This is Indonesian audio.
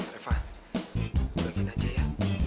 reva bagiin aja ya